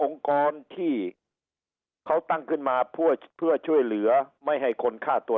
กรที่เขาตั้งขึ้นมาเพื่อช่วยเหลือไม่ให้คนฆ่าตัว